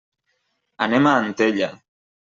Anem a Antella.